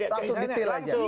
langsung detail aja